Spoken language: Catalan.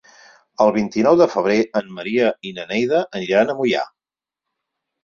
El vint-i-nou de febrer en Maria i na Neida aniran a Moià.